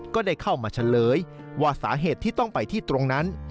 ก็ได้เข้ามาเฉลยว่าสาเหตุที่ต้องไปที่ตรงนั้น